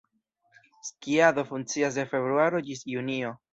Skiado funkcias de februaro ĝis junio.